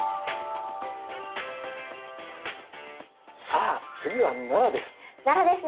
さあ次は奈良です。